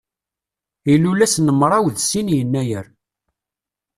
Ilul ass n mraw d sin yennayer.